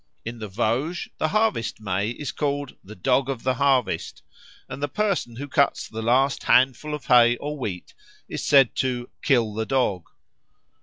In the Vosges the Harvest May is called the "Dog of the harvest," and the person who cuts the last handful of hay or wheat is said to "kill the Dog."